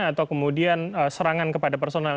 atau kemudian serangan kepada personal